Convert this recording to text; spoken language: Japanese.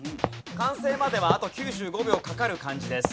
完成まではあと９５秒かかる漢字です。